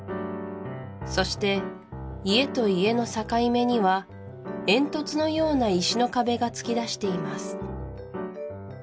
そして家と家の境目には煙突のような石の壁が突き出しています